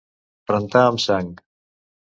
Rentar amb sang.